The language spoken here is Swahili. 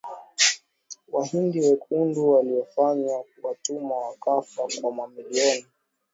Wahindi wekundu waliofanywa watumwa wakafa kwa mamilioni